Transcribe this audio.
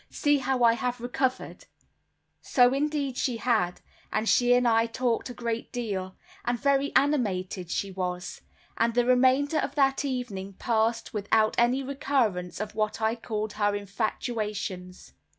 See how I have recovered." So, indeed, she had; and she and I talked a great deal, and very animated she was; and the remainder of that evening passed without any recurrence of what I called her infatuations.